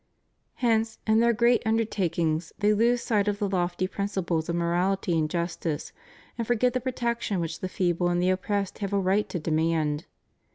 Hence, in their great undertakings they lose sight of the lofty principles of morality and justice and forget the protection which the feeble and the oppressed have a right to demand.